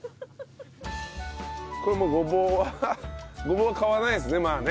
これもうごぼうはごぼうは買わないですねまあね。